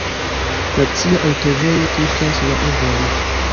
Nacia aŭtovojo tuŝas la urbon.